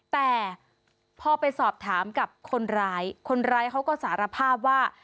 แต่พอไปสอบถามกับคนร้ายคนร้ายเขาก็สารภาพว่า